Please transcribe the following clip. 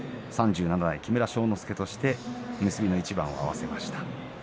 第３７代木村庄之助として結びの一番を裁きました。